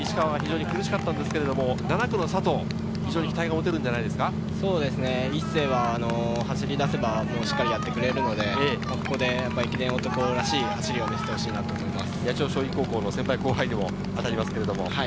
飯田さん、６区の西川が非常に苦しかったんですけど７区の佐藤、期待が持てるんじゃない一世は走り出せばしっかりやってくれるのでここで駅伝男らしい走りを見せてほしいと思います。